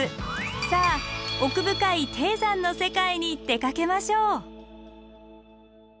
さあ奥深い低山の世界に出かけましょう。